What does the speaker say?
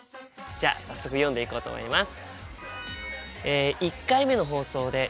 じゃあ早速読んでいこうと思います。